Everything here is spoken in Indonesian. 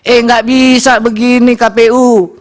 eh nggak bisa begini kpu